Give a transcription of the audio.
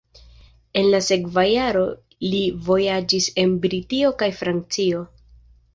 En la sekva jaro li vojaĝis en Britio kaj Francio.